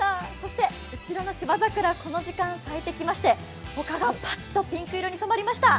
後ろの芝桜、この時間咲いてきまして他がパッとピンク色に染まりました。